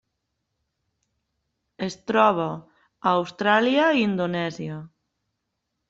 Es troba a Austràlia i Indonèsia.